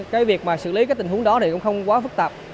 cái việc mà xử lý cái tình huống đó thì cũng không quá phức tạp